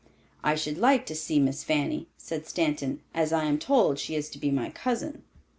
"I should like to see Miss Fanny," said Stanton, "as I am told she is to be my cousin."